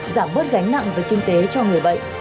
giảm bớt gánh nặng về kinh tế cho người bệnh